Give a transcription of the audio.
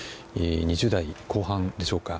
２０代後半でしょうか。